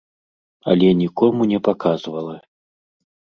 Але нікому не паказвала.